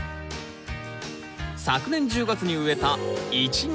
昨年１０月に植えたイチゴ。